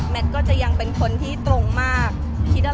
แม็กซ์ก็คือหนักที่สุดในชีวิตเลยจริง